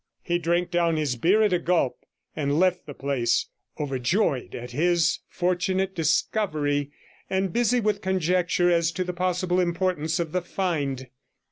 He drank down his beer at a gulp, and left the place, overjoyed at his fortunate discovery, and busy with conjecture as to the possible importance of the find.